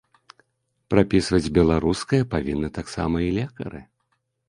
Прапісваць беларускае павінны таксама і лекары.